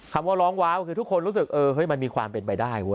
คำว่าร้องว้าวคือทุกคนรู้สึกมันมีความเป็นไปได้เว้